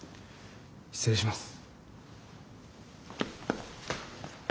失礼します。